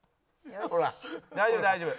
大丈夫大丈夫。